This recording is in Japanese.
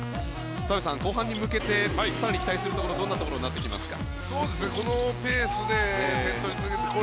澤部さん、後半に向けて更に期待するところどんなところになってきますか？